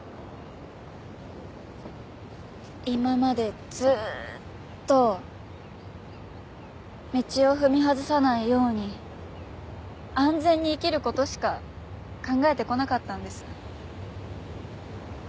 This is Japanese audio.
今までずっと道を踏み外さないように安全に生きることしか考えてこなかったんです。